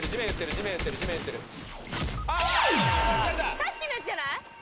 さっきのヤツじゃない？